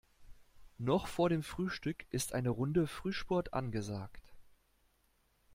Noch vor dem Frühstück ist eine Runde Frühsport angesagt.